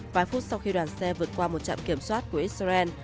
vài phút sau khi đoàn xe vượt qua một trạm kiểm soát của israel